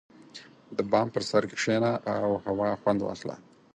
• د بام پر سر کښېنه او هوا خوند واخله.